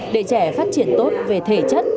để trẻ phát triển tốt về thể chất